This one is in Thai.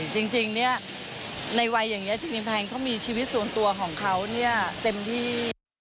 จริงเนี่ยในวัยอย่างนี้จริงแพนเขามีชีวิตส่วนตัวของเขาเนี่ยเต็มที่